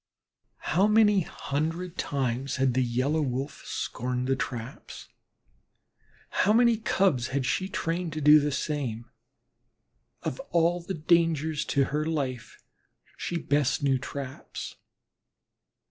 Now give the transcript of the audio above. How many hundred times had the Yellow Wolf scorned the traps; how many Cubs she had trained to do the same! Of all the dangers to her life she best knew traps.